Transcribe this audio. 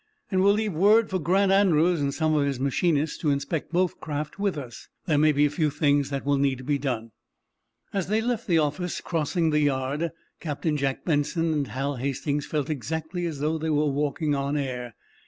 "And we'll leave word for Grant Andrews and some of his machinists to inspect both craft with us. There may be a few things that will need to be done." As they left the office, crossing the yard, Captain Jack Benson and Hal Hastings felt exactly as though they were walking on air.